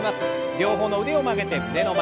両方の腕を曲げて胸の前。